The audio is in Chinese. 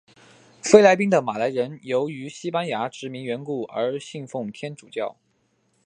菲律宾的马来人由于西班牙殖民缘故而信奉天主教。